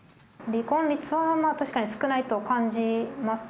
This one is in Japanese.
離婚率は確かに少ないと感じます。